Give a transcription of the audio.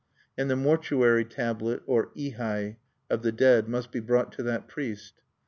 And the mortuary tablet, or ihai, of the dead must be brought to that priest.